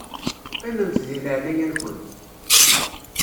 Qqimemt di leɛnaya-nkent.